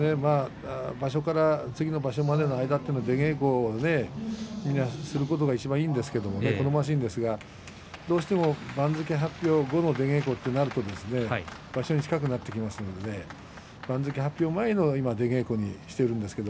場所から次の場所までは出稽古をするのがいちばんいいんですが望ましいんですが、どうしても番付発表後の出稽古ということになりますと場所が近くなってきますから番付発表前の出稽古にしているんです。